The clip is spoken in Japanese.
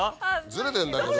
ずれてんだけど。